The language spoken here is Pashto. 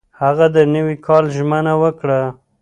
هغه د نوي کال ژمنه وکړه.